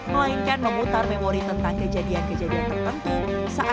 melainkan memutar memori tentang kejadian kejadian tertentu saat kemunculan barang lawas tersebut